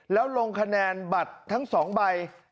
แล้วลงคะแนนบัตรทั้ง๒ใบ